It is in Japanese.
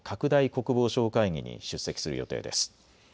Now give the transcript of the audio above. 国防相会議に出席する予定です。